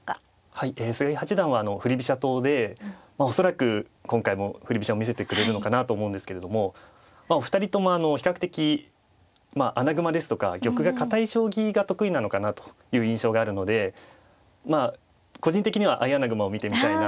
はいえ菅井八段は振り飛車党で恐らく今回も振り飛車を見せてくれるのかなと思うんですけれどもお二人とも比較的穴熊ですとか玉が堅い将棋が得意なのかなという印象があるのでまあ個人的には相穴熊を見てみたいなと。